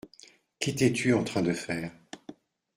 Qu’étais-tu en train de faire ?